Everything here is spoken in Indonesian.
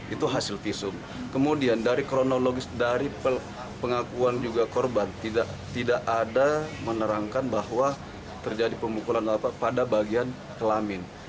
itu hasil visum kemudian dari kronologis dari pengakuan juga korban tidak ada menerangkan bahwa terjadi pemukulan pada bagian kelamin